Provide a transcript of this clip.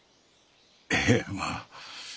へえまあ。